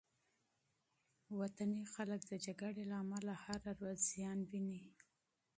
ملکي خلک د جګړې له امله هره ورځ زیان ویني.